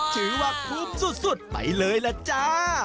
ถือว่าคุ้มสุดไปเลยล่ะจ้า